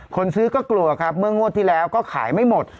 คนซื้อก็กลัวครับเมื่องวดที่แล้วก็ขายไม่หมด